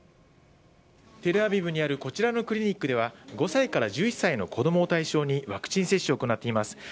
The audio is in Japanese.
テルアビブにあるこちらのクリニックでは、５歳から１１歳の子どもを対象に、ワクチン接種を行っています。